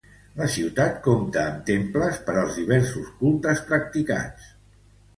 La ciutat compta amb temples per als diversos cultes practicats.